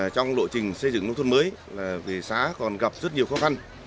trong lộ trình xây dựng nông thuận mới về xá còn gặp rất nhiều khó khăn